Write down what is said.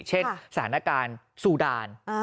เช่นสถานการณ์ซูดาน